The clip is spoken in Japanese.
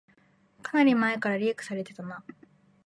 かなり前からリークされてたな